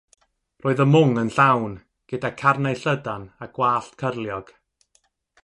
Roedd y mwng yn llawn, gyda carnau llydan a gwallt cyrliog.